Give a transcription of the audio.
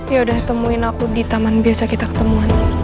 yaudah temuin aku di taman biasa kita ketemu